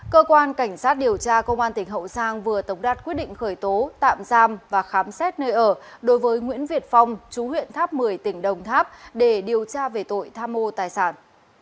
cơ quan cảnh sát điều tra công an tỉnh hậu giang vừa tổng đạt quyết định khởi tố tạm giam và khám xét nơi ở đối với nguyễn việt phong chú huyện tháp một mươi tỉnh đồng tháp để điều tra về tội tham mô tài sản